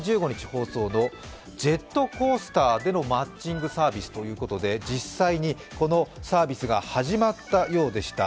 放送のジェットコースターでのマッチングサービスということで、実際にこのサービスが始まったようでした。